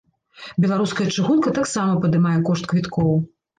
Беларуская чыгунка таксама падымае кошт квіткоў.